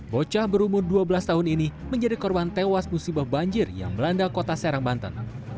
bocah berumur dua belas tahun ini menjadi korban tewas musibah banjir yang melanda kota serang banten